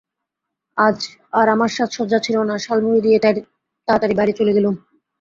আজ আর আমার সাজসজ্জা ছিল না, শাল মুড়ি দিয়ে তাড়াতাড়ি বাইরে চলে গেলুম।